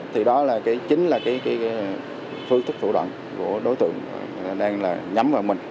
thì đó chính là cái phương thức thủ đoạn của đối tượng đang nhắm vào mình